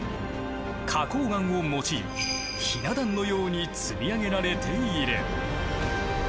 花こう岩を用いひな壇のように積み上げられている。